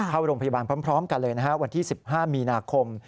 เข้าโรงพยาบาลพร้อมกันเลยนะฮะวันที่๑๕มีนาคม